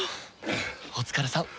お疲れさん！